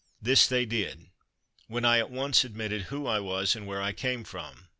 This they did, when I at once admitted who I was and where I came from.